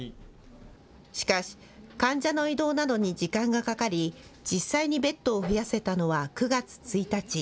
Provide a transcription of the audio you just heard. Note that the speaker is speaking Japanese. しかし、患者の移動などに時間がかかり、実際にベッドを増やせたのは９月１日。